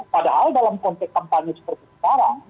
padahal dalam konteks kampanye seperti sekarang